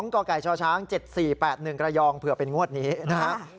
กกชช๗๔๘๑ระยองเผื่อเป็นงวดนี้นะครับ